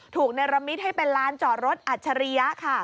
เนรมิตให้เป็นลานจอดรถอัจฉริยะค่ะ